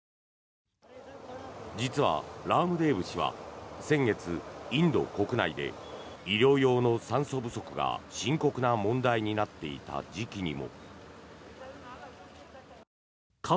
実はラームデーブ氏は先月、インド国内で医療用の酸素不足が深刻な問題になっていた時期にも。